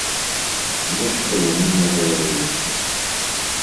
Нешта яму не гаварылася.